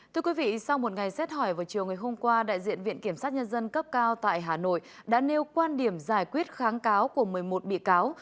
thưa quý vị sau một ngày xét hỏi vào chiều ngày hôm qua đại diện viện kiểm sát nhân dân cấp cao tại hà nội đã nêu quan điểm giải quyết kháng cáo của một mươi một bị cáo